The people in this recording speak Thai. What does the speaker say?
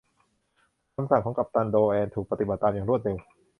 คำสั่งของกัปตันโดแอนถูกปฏิบัติตามอย่างรวดเร็ว